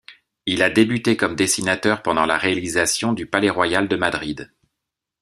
Il a débuté comme dessinateur pendant la réalisation du Palais royal de Madrid.